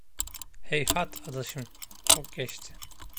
Heyhat adaşım, çok geçti.